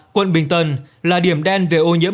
quận bình tân là điểm đen về ô nhiễm